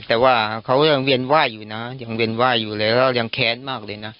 แต่ว่าเขายังเวียนไหว้อยู่นะยังเวียนไหว้อยู่เลยแล้วยังแค้นมากเลยนะ